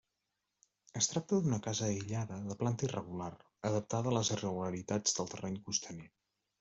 Es tracta d'una casa aïllada de planta irregular, adaptada a les irregularitats del terreny costaner.